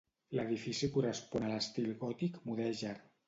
L'edifici correspon a l'estil gòtic-mudèjar.